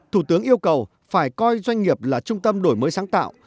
thủ tướng yêu cầu phải coi doanh nghiệp là trung tâm đổi mới sáng tạo